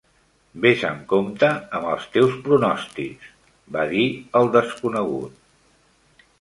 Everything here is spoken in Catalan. "Ves amb compte amb els teus pronòstics", va dir el desconegut.